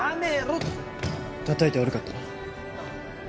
たたいて悪かったな。